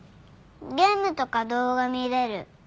ゲームとか動画見れる。